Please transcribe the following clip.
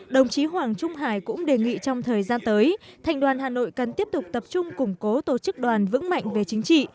đồng chí hoàng trung hải cũng đề nghị trong thời gian tới thành đoàn hà nội cần tiếp tục tập trung củng cố tổ chức đoàn vững mạnh về chính trị